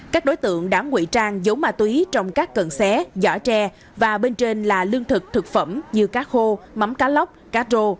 các đối tượng đã ngụy trang giấu ma túy trong các cận xé giỏ tre và bên trên là lương thực thực phẩm như cá khô mắm cá lóc cá rô